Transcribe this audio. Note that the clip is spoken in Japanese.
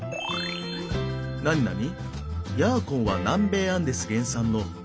なになに？